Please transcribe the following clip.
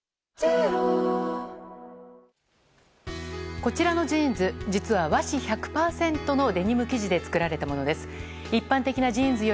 こちらのジーンズ実は和紙１００％のデニム生地で作られたジーンズです。